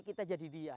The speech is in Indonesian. kita jadi dia